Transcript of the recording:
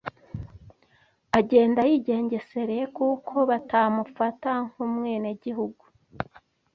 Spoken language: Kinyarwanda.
agenda yigengesereye kuko batamufata nk’umwenegihugu